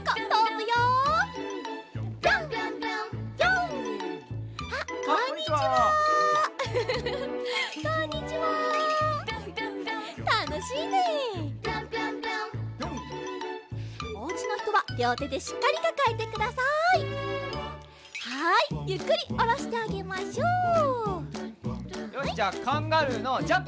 よしじゃあカンガルーのジャンプ！